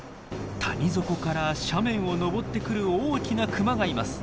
谷底から斜面を登ってくる大きなクマがいます。